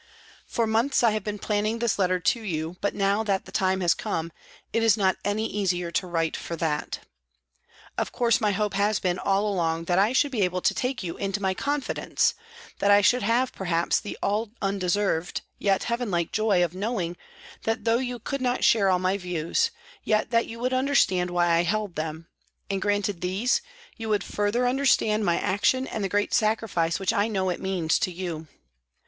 For months I have been planning this letter to you, but now that the time has come, it is not any easier to write for that. Of course, my hope has been all along that I should be able to take you into my confidence, that I should have the perhaps all undeserved yet heaven like joy of knowing that though you could not share all my views, yet that you would understand why I held them, and, granted these, you would further understand my action and the great sacrifice which I know it means to you.